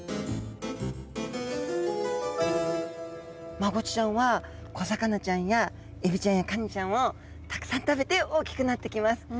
マゴチちゃんは小魚ちゃんやエビちゃんやカニちゃんをたくさん食べて大きくなってきます。